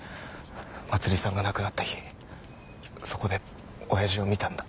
まつりさんが亡くなった日そこで親父を見たんだ。